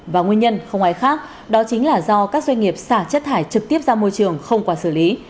và nguyên nhân không ai khác đó chính là do các doanh nghiệp xả chất thải trực tiếp ra môi trường không qua xử lý